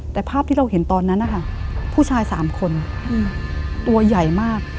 แต่ภาพที่เราเห็นตอนนั้นนะคะผู้ชาย๓คนตัวใหญ่มาก